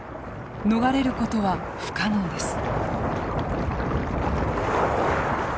逃れることは不可能です。